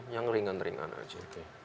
yang ringan ringan aja